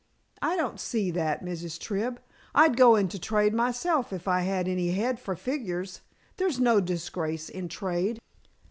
"I don't see that, Mrs. Tribb. I'd go into trade myself if I had any head for figures. There's no disgrace in trade."